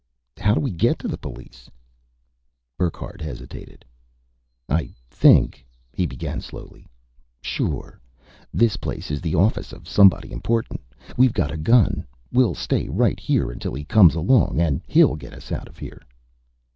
"How do we get to the police?" Burckhardt hesitated. "I think " he began slowly. "Sure. This place is the office of somebody important. We've got a gun. We'll stay right here until he comes along. And he'll get us out of here."